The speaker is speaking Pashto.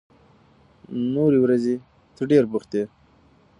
نورې ورځې ته ډېر بوخت يې.